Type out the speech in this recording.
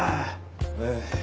ええ。